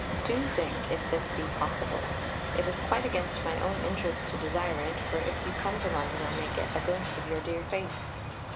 Do think if this be possible. It is quite against my own interest to desire it, for if you come to London, I may get a glimpse of your dear face."